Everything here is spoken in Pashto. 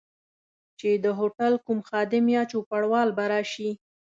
چي د هوټل کوم خادم یا چوپړوال به راشي.